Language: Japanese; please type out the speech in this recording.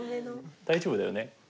大丈夫だよね。